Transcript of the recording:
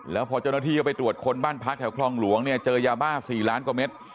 แล้วพอเจ้าหน้าที่เข้าไปตรวจคนบ้านพักแถวคลองหลวงเนี่ยเจอยาบ้า๔ล้านกว่าเม็ด